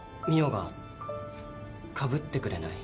澪がかぶってくれない？